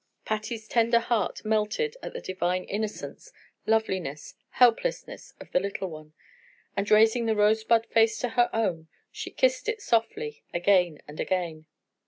Patty's tender heart melted at the divine innocence, loveliness, helplessness of the little one, and raising the rosebud face to her own, she kissed it softly again and again.